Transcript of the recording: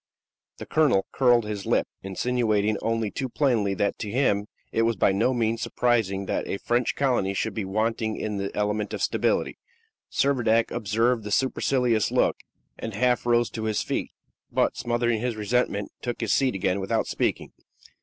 The colonel curled his lip, insinuating only too plainly that to him it was by no means surprising that a French colony should be wanting in the element of stability. Servadac observed the supercilious look, and half rose to his feet, but, smothering his resentment, took his seat again without speaking.